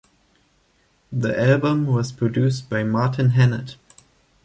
The album was produced by Martin Hannett.